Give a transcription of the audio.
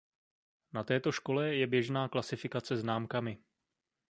Na této škole je běžná klasifikace známkami.